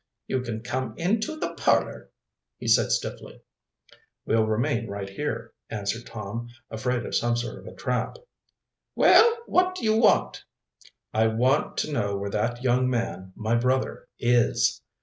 "You can come into the parlor," he said stiffly. "We'll remain right here," answered Tom, afraid of some sort of a trap. "Well, what do you want?" "I want to know where that young man, my brother, is."